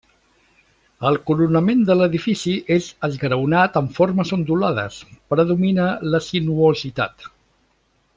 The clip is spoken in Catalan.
El coronament de l'edifici és esgraonat amb formes ondulades, predomina la sinuositat.